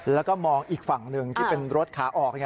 แล้วก็มองอีกฝั่งหนึ่งที่เป็นรถขาออก